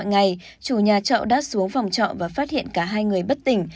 trong ngày này chủ nhà trọ đã xuống phòng trọ và phát hiện cả hai người bất tỉnh